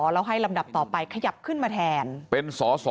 แล้วให้ลำดับต่อไปขยับขึ้นมาแทน